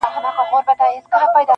مُلا یې بولي تشي خبري-